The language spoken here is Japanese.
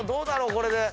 これで。